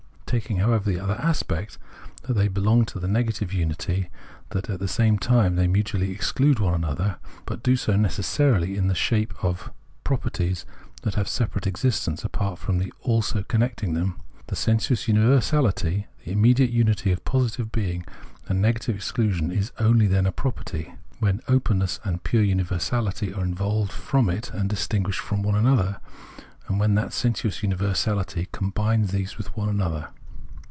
Taking, however, the other aspect, that they belong to the negative unity, they at the same time mutually exclude one another ; but do so necessarily in the shape of properties that have a separate existence apart from the " also " connecting them. The sensuous universahty, the immediate unity of positive being and negative exclusion, is only then a property, when oneness and pure universahty are evolved from it and distinguished from one another, and when that sensuous universality combines these with one another.